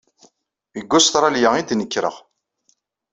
Deg Ustṛalya ay d-nekreɣ.